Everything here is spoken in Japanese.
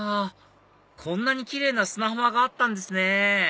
こんなにキレイな砂浜があったんですね！